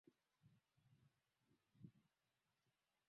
ni kwa nini maneno mengi mnayoyatumia hapa sana sana ni